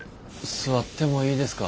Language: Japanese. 座ってもいいですか？